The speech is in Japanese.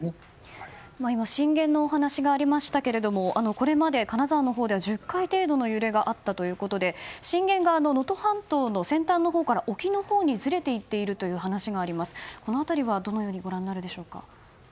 今、震源のお話がありましたけれどもこれまで金沢のほうでは１０回程度の揺れがあったということで震源が能登半島の先端のほうから沖のほうにずれていっているという話がありますがこの辺りはどのようにご覧になるでしょうか。